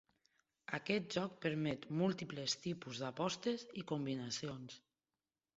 Aquest joc permet múltiples tipus d'apostes i combinacions.